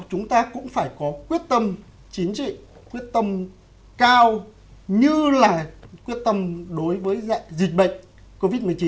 chúng ta cũng phải có quyết tâm chính trị quyết tâm cao như là quyết tâm đối với dạng dịch bệnh covid một mươi chín